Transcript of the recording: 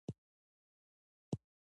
د کولمو د غږونو لپاره د څه شي عرق وڅښم؟